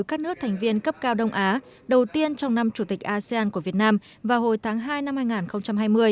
các nước thành viên cấp cao đông á đầu tiên trong năm chủ tịch asean của việt nam vào hồi tháng hai năm hai nghìn hai mươi